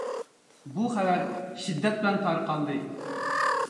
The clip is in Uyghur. بۇ خەۋەر شىددەت بىلەن تارقالدى،